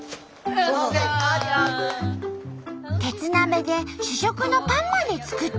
鉄鍋で主食のパンまで作っちゃう！